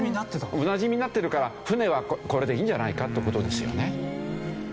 おなじみになってるから船はこれでいいんじゃないかっていう事ですよね。